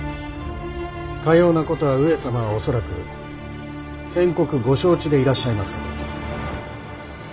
かようなことは上様は恐らく先刻ご承知でいらっしゃいますかと。